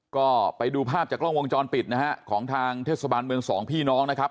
ก็ไปดูภาพจากกล้องวงจรปิดนะฮะของทางเทศบาลเมืองสองพี่น้องนะครับ